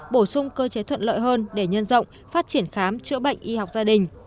bổ sung cơ chế thuận lợi hơn để nhân rộng phát triển khám chữa bệnh y học gia đình